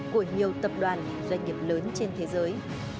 của nhiều tập đoàn doanh nghiệp lớn trên thế giới